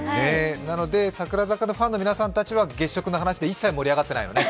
なので櫻坂のファンの皆さんたちは月食の話で一切盛り上がってないのね？